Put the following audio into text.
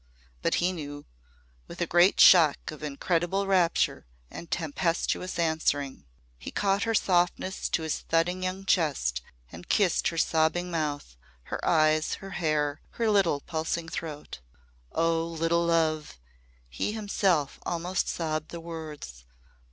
But he knew with a great shock of incredible rapture and tempestuous answering. He caught her softness to his thudding young chest and kissed her sobbing mouth, her eyes, her hair, her little pulsing throat. "Oh, little love," he himself almost sobbed the words.